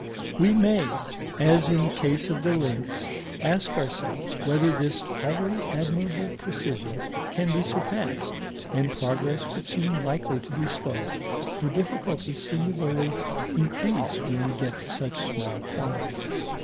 We may as in the case of the lengths ask ourselves whether this already admirable precision can be surpassed; and progress would seem likely to be slow, for difficulties singularly increase when we get to such small quantities.